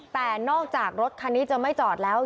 แต่นอกจากรถคันนี้จะไม่จอดแล้ว